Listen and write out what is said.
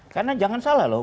karena jangan salah loh